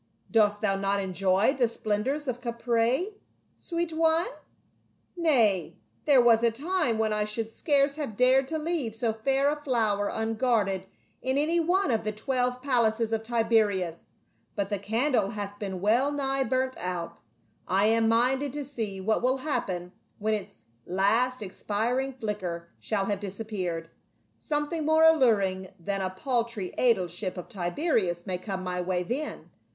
" Dost thou not enjoy the splendors of Caprae, sweet one ? Nay, there was a time when I should scarce have dared to leave so fair a flower unguarded in any one of the twelve palaces of Tiberius, but the candle hath been well nigh burnt out ; I am minded to see what will happen when its last expiring flicker shall have disappeared. Something more alluring than a paltry aedileship of Tiberias may come my way then.